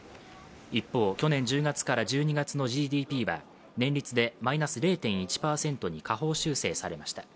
一方、去年１０月から１２月のＧＤＰは年率でマイナス０．１％に下方修正されました。